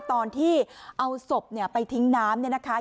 ตอนที่เอาศพเนี่ยไปทิ้งน้ำเนี่ยนะคะ